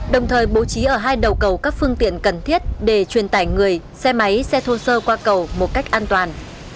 đồng thời bố trí ở hai đầu cầu các phương tiện cần thiết để truyền tải người xe máy xe thô sơ qua cầu một cách an toàn